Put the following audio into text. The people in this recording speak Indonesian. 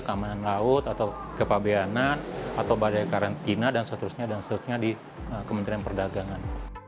keamanan laut atau kepabeanan atau badai karantina dan seterusnya dan seterusnya di kementerian perdagangan